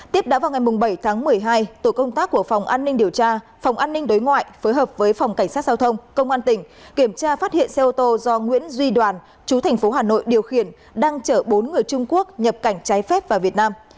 tiếp đó vào ngày bảy tháng một mươi hai tổ công tác của phòng an ninh điều tra phòng an ninh đối ngoại phối hợp với phòng cảnh sát giao thông công an tỉnh kiểm tra phát hiện xe ô tô do nguyễn duy đoàn chú thành phố hà nội điều khiển đang chở bốn người trung quốc nhập cảnh trái phép vào việt nam